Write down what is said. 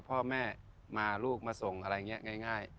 พ่อแม่มาลูกมาส่งอะไรอย่างนี้ง่าย